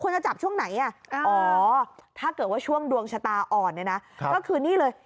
คุณจะจับช่วงไหนอ่ะอ๋อถ้าเกิดว่าช่วงดวงชะตาอ่อนเนี่ยนะก็คือนี่เลย